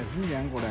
これ。